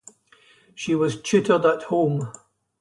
She was tutored at home.